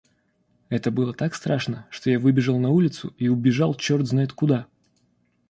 Это было так страшно, что я выбежал на улицу и убежал чёрт знает куда.